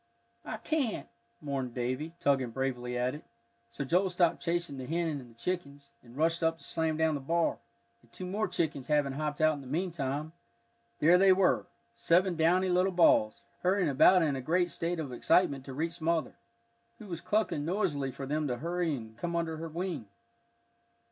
"I can't," mourned Davie, tugging bravely at it. So Joel stopped chasing the hen and the chickens, and rushed up to slam down the bar, and two more chickens having hopped out in the meantime, there they were seven downy little balls, hurrying about in a great state of excitement to reach mother, who was clucking noisily for them to hurry and come under her wing.